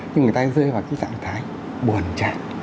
nhưng người ta rơi vào cái tạng thái buồn chạy